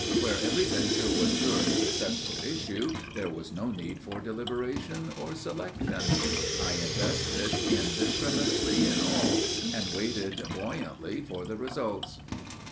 Where every venture was sure of successful issue, there was no need for deliberation or selection. I invested indiscriminately in all, and waited buoyantly for the results."